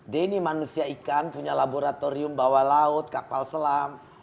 denny manusia ikan punya laboratorium bawah laut kapal selam